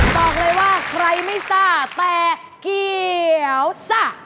บอกเลยว่าใครไม่ทราบแต่เกี่ยวสะ